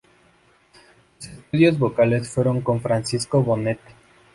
Sus estudios vocales fueron con Francisco Bonet.